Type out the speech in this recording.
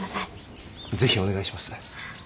是非お願いします。